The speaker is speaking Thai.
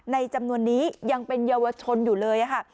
จำนวนนี้ยังเป็นเยาวชนอยู่เลยค่ะ